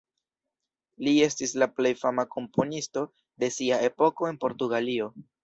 Li estis la plej fama komponisto de sia epoko en Portugalio.